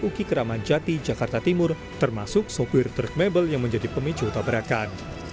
uki keramajati jakarta timur termasuk sopir truk mebel yang menjadi pemicu tabrakan